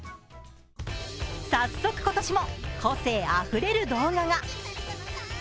早速今年も個性あふれる動画が。